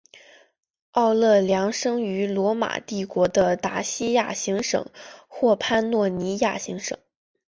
奥勒良生于罗马帝国的达西亚行省或潘诺尼亚行省。